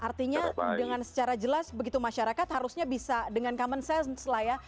artinya dengan secara jelas begitu masyarakat harusnya bisa dengan common sense lah ya